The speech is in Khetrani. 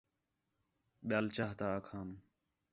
ٻِیال چاہ تا آکھام